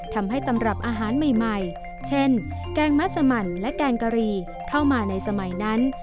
ทำให้ตำรับอาหารใหม่อย่างเช่นแกงมัดสมรรณและแกงกะรีเข้ามาในสมัยนั้น